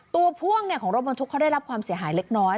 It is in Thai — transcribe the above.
พ่วงของรถบรรทุกเขาได้รับความเสียหายเล็กน้อย